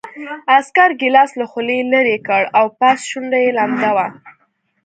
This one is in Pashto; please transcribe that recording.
عسکر ګیلاس له خولې لېرې کړ او پاس شونډه یې لمده وه